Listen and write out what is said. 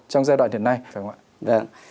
trong giai đoạn hiện nay phải không ạ